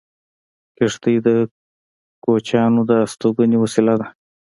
کېږدۍ د کوچیانو د استوګنې وسیله ده